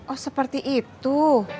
oh seperti itu